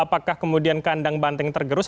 apakah kemudian kandang banteng tergerus